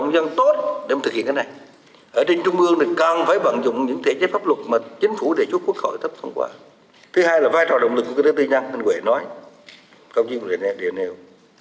vấn đề thứ hai là vai trò động lực của các nước tư nhân anh huệ nói không chỉ người nè đều nêu